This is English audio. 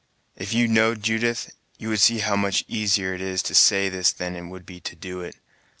"If you know'd Judith, you would see how much easier it is to say this than it would be to do it.